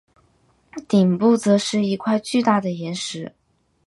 顶部则是一块巨大的岩石。